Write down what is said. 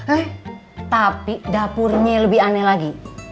eh tapi dapurnya lebih aneh lagi